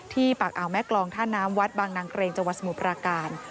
ที่ปากอาวแม่กลองท่าน้ำวัดบางนางเกรงจวัสหมู่ประการ